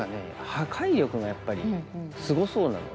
破壊力がやっぱりすごそうなので。